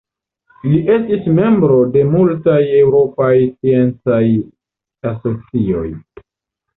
Li estis membro de multaj eŭropaj sciencaj asocioj.